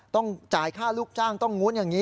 ต้องจ่ายค่าลูกจ้างต้องนู้นอย่างนี้